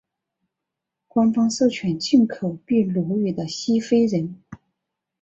官方授权进口被奴役的西非人。